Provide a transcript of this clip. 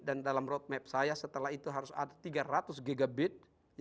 dan dalam road map saya setelah itu harus ada tiga ratus gigabit